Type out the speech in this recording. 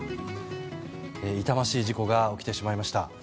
痛ましい事故が起きてしまいました。